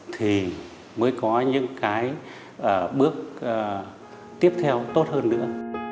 thì mới có những cái bước tiếp theo tốt hơn nữa